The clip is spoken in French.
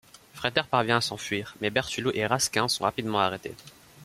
Fraiteur parvient à s'enfuir mais Bertulot et Raskin sont rapidement arrêtés.